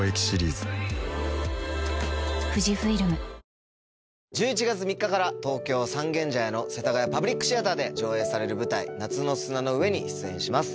あの名作の中学生時代はもちろん、１１月３日から、東京・三軒茶屋の世田谷パブリックシアターで上演される舞台、夏の砂の上に出演します。